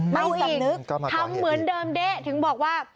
ไม่อีกทำเหมือนเดิมเด๊ะถึงบอกว่า